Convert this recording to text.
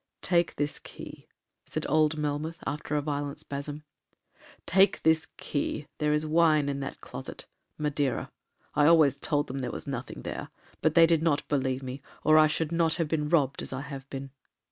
'Take this key,' said old Melmoth, after a violent spasm; 'take this key, there is wine in that closet,—Madeira. I always told them there was nothing there, but they did not believe me, or I should not have been robbed as I have been.